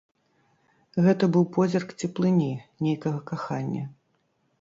Гэта быў позірк цеплыні, нейкага кахання.